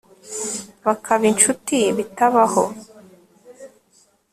bakaba inshuti bitabaho